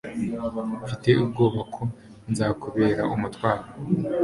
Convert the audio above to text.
Mfite ubwoba ko nzakubera umutwaro